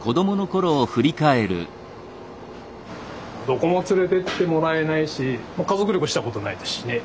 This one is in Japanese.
どこも連れてってもらえないし家族旅行したことないですしね。